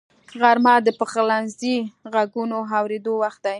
غرمه د پخلنځي غږونو اورېدو وخت دی